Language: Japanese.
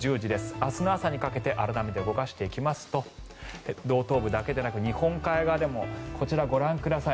明日の朝にかけて改めて動かしていきますと道東部だけでなく日本海側でもこちら、ご覧ください。